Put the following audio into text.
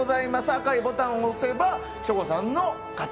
赤いボタンを押せば省吾さんの勝ち。